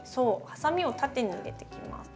ハサミを縦に入れていきます。